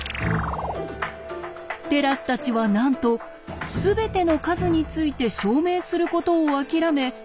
テラスたちはなんと「すべての数」について証明することを諦め